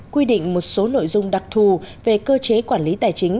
quy định một số nội dung đặc thù về cơ chế quản lý tài chính